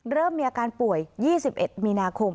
เริ่มมีอาการป่วย๒๑มีนาคม